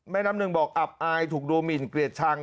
น้ำหนึ่งบอกอับอายถูกดูหมินเกลียดชัง